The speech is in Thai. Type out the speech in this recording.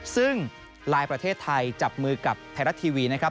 ซึ่งไลน์ประเทศไทยจับมือกับไทยรัฐทีวีนะครับ